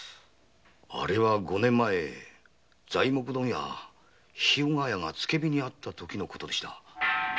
五年前材木問屋・日向屋が付け火にあったときのことでした。